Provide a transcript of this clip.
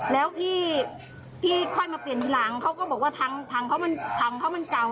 แล้วพี่ค่อยมาเปลี่ยนทีหลังเขาก็บอกว่าถังเขามันถังเขามันเก่า